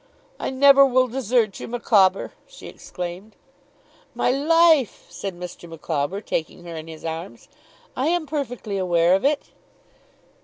'I never will desert you, Micawber!' she exclaimed. 'My life!' said Mr. Micawber, taking her in his arms. 'I am perfectly aware of it.